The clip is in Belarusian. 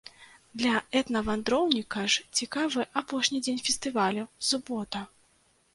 Для этнавандроўніка ж цікавы апошні дзень фестывалю, субота.